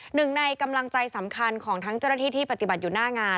หนึ่งในกำลังใจสำคัญของทั้งเจ้าหน้าที่ที่ปฏิบัติอยู่หน้างาน